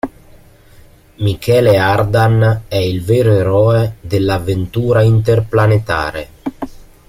Michele Ardan è il vero eroe dell'avventura interplanetare.